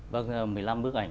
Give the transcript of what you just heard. vâng một mươi năm bức ảnh